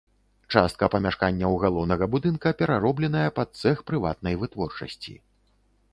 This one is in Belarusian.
Частка памяшканняў галоўнага будынка пераробленая пад цэх прыватнай вытворчасці.